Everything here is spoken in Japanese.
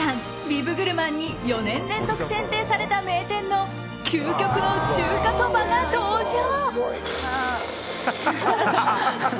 ビブグルマンに４年連続選定された名店の究極の中華そばが登場。